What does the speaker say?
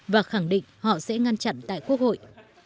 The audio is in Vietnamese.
và khẳng định họ sẽ ngăn chặn tại quốc hội